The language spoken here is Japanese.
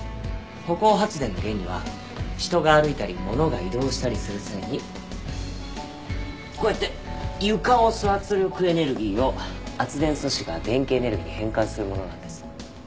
歩行発電の原理は人が歩いたりものが移動したりする際にこうやって床を押す圧力エネルギーを圧電素子が電気エネルギーに変換するものなんです。